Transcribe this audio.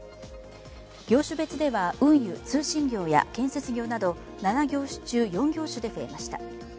業種別では、運輸・通信業や建設業など７業種中、４業種で増えました。